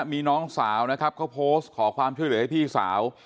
มีน้องสาวนะครับเขาโพสต์ขอความช่วยเหลือให้พี่สาว